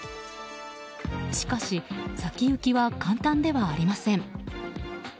しかし、先行きは簡単ではありません。